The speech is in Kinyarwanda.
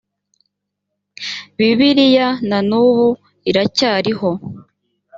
bibiliya na n ubu iracyariho